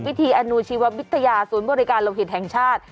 อนุชีววิทยาศูนย์บริการโลหิตแห่งชาติ